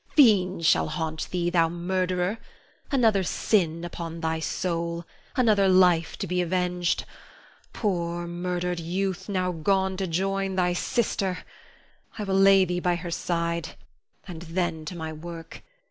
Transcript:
fiends shall haunt thee, thou murderer! Another sin upon thy soul, another life to be avenged! Poor, murdered youth, now gone to join thy sister. I will lay thee by her side and then to my work.